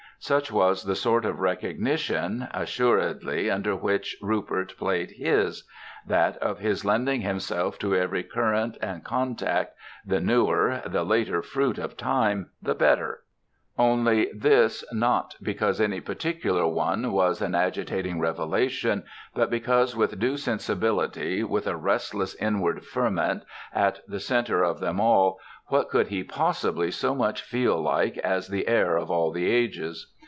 Such was the sort of recognition, assuredly, under which Rupert played his that of his lending himself to every current and contact, the "newer," the later fruit of time, the better; only this not because any particular one was an agitating revelation, but because with due sensibility, with a restless inward ferment, at the centre of them all, what could he possibly so much feel like as the heir of all the ages?